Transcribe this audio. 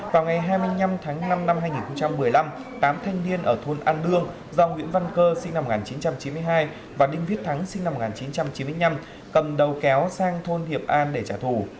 vào ngày hai mươi năm tháng năm năm hai nghìn một mươi năm tám thanh niên ở thôn an đương do nguyễn văn cơ sinh năm một nghìn chín trăm chín mươi hai và đinh viết thắng sinh năm một nghìn chín trăm chín mươi năm cầm đầu kéo sang thôn hiệp an để trả thù